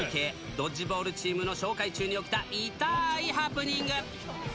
ドッジボールチームの紹介中に起きた痛ーいハプニング。